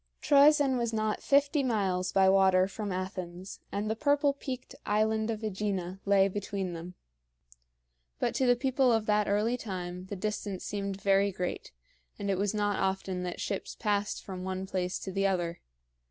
Troezen was not fifty miles by water from Athens, and the purple peaked island of AEgina lay between them; but to the people of that early time the distance seemed very great, and it was not often that ships passed from one place to the other.